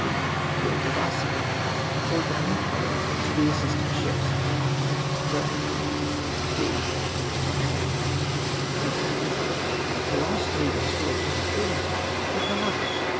c. Ville de Varsovie, haiiled down her colours to the assisting ships. Afterwards burned. D. Tonnerre, ditto, ditto. The last three were destroyed on the falling tide, but no others